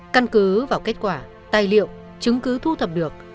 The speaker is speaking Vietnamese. căn cứ vào kết quả tài liệu chứng cứ thu thập được